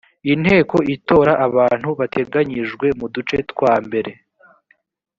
inteko itora abantu bateganyijwe mu duce twa mbere